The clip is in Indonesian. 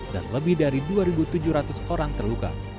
dan lebih dari dua tujuh ratus orang terluka